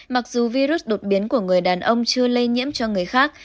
mặc dù virus đột biến của người đàn ông chưa lây nhiễm cho người khác